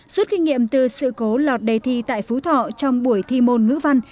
suốt kinh nghiệm từ sự cố lọt đề thi tại phú thọ trong buổi thi môn ngữ văn